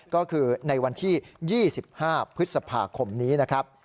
ก็คือในวันที่๒๕พฤษภาคมนี้นะครับ